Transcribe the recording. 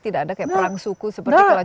tidak ada kayak perang suku seperti kalau